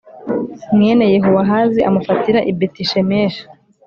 mwene Yehowahazi amufatira i Betishemeshi